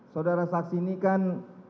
saudara saksi ini kan